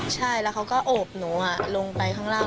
ใช่แล้วเขาก็โอบหนูลงไปข้างล่าง